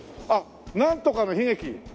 あっなんとかの悲劇。